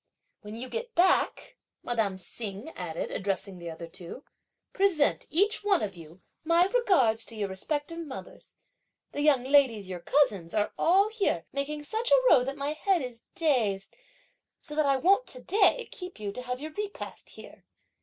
"When you get back," madame Hsing added, addressing the other two, "present, each one of you, my regards to your respective mothers. The young ladies, your cousins, are all here making such a row that my head is dazed, so that I won't to day keep you to have your repast here."